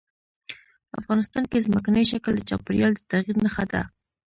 افغانستان کې ځمکنی شکل د چاپېریال د تغیر نښه ده.